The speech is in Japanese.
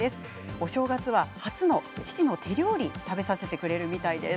お正月は初の父の手料理食べさせてくれるみたいです。